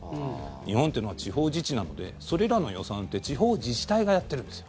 日本っていうのは地方自治なのでそれらの予算って地方自治体がやってるんです。